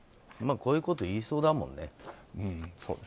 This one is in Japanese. こういうことを言いそうだもんね。